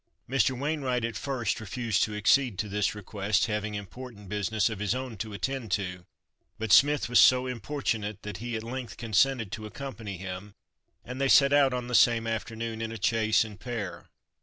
Mr. Wainwright at first refused to accede to this request, having important business of his own to attend to, but Smith was so importunate that he at length consented to accompany him, and they set out on the same afternoon in a chaise and pair.